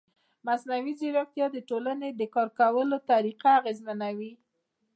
مصنوعي ځیرکتیا د ټولنې د کار کولو طریقه اغېزمنوي.